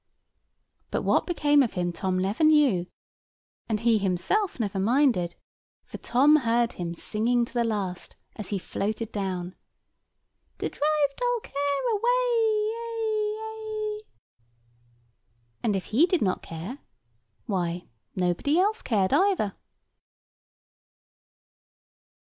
But what became of him Tom never knew, and he himself never minded; for Tom heard him singing to the last, as he floated down— "To drive dull care away ay ay!" And if he did not care, why nobody else cared either.